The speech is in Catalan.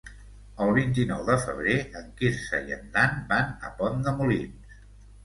El vint-i-nou de febrer en Quirze i en Dan van a Pont de Molins.